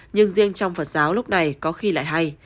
nhưng riêng trong phật giáo lúc này có khi lại hay